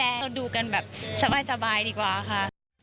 เราดูกันแบบสบายดีกว่าค่ะ